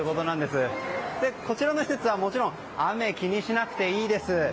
こちらの施設はもちろん雨を気にしなくていいです。